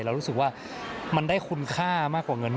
เรารู้สึกว่ามันได้คุณค่ามากกว่าเงิน